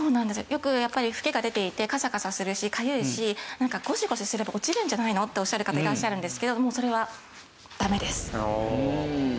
よくやっぱりフケが出ていてカサカサするしかゆいしゴシゴシすれば落ちるんじゃないの？っておっしゃる方いらっしゃるんですけどもうそれはダメです。